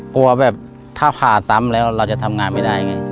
กลัวแบบถ้าผ่าซ้ำแล้วเราจะทำงานไม่ได้ไง